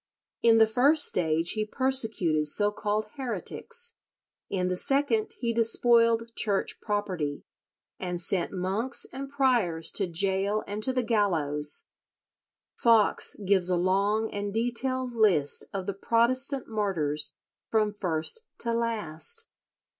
In the first stage he persecuted so called heretics, in the second he despoiled Church property, and sent monks and priors to gaol and to the gallows. Foxe gives a long and detailed list of the Protestant martyrs from first to last.